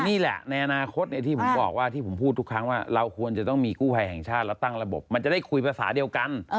นี่แหละในอนาคตที่ผมบอกว่าที่ผมพูดทุกครั้งว่าเราควรจะต้องมีกู้ภัยแห่งชาติแล้วตั้งระบบมันจะได้คุยภาษาเดียวกัน